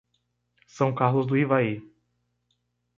São Carlos do Ivaí